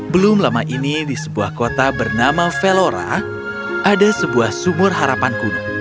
belum lama ini di sebuah kota bernama velora ada sebuah sumur harapan kuno